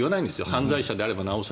犯罪者であればなお更。